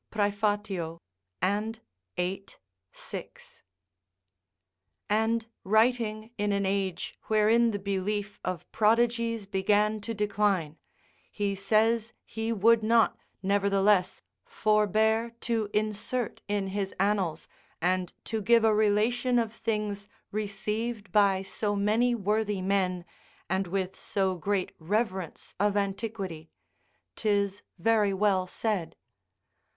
Praef., and viii. 6.] And writing in an age wherein the belief of prodigies began to decline, he says he would not, nevertheless, forbear to insert in his Annals, and to give a relation of things received by so many worthy men, and with so great reverence of antiquity; 'tis very well said.